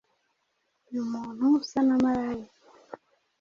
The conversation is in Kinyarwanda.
Uyu muntu usa na Malayika